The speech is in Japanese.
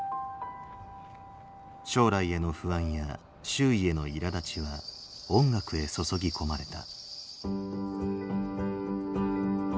将来への不安や周囲へのいらだちは音楽へ注ぎ込まれた。